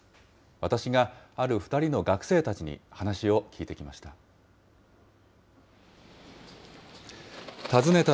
私がある２人の学生たちに話を聞いてきました。